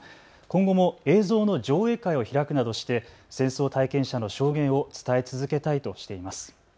今後も映像の上映会を開くなどして戦争体験者の証言を伝え続けたいとしています。